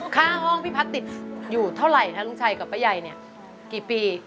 ค่าห้องพี่พัฒน์ติดอยู่เท่าไหร่นะลุงชัยกับป้าใหญ่เนี่ยกี่ปี